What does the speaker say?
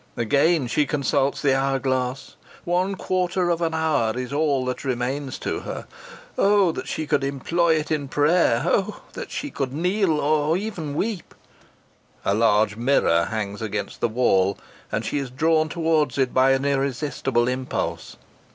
Again she consults the hourglass. One quarter of an hour is all that remains to her. Oh! that she could employ it in prayer! Oh! that she could kneel or even weep! A large mirror hangs against the wall, and she is drawn towards it by an irresistible impulse.